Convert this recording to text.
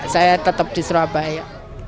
saya tetap di surabaya